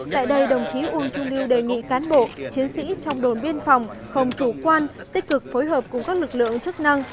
tại đây đồng chí uông chu lưu đề nghị cán bộ chiến sĩ trong đồn biên phòng không chủ quan tích cực phối hợp cùng các lực lượng chức năng